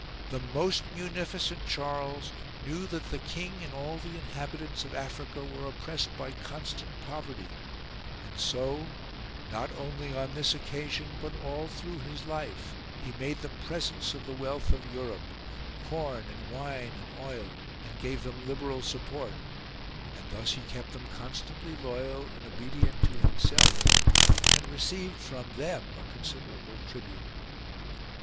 The most munificent Charles knew that the king and all the inhabitants of Africa were oppressed by constant poverty ; and so, not only on this occasion but all through his life, he made them presents of the wealth of Europe, corn and wine and oil, and gave them liberal support ; and thus he kept them constantly loyal and obedient to himself, and received from them a considerable tribute.